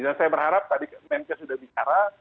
saya berharap tadi kemenkes sudah bicara